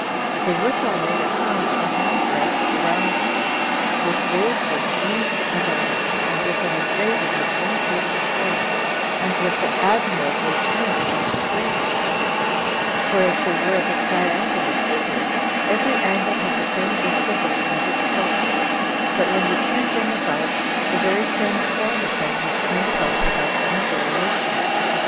They withal made a crown of a hand breadth round it, with wave work wreathed about it, and with an engraving which imitated a cord, and was admirably turned on its three parts; for as they were of a triangular figure, every angle had the same disposition of its sculptures, that when you turned them about, the very same form of them was turned about without any variation.